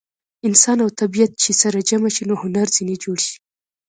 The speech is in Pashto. انسان او طبیعت چې سره جمع شي نو هنر ځینې جوړ شي.